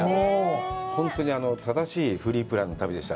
本当に正しいフリープランの旅でした。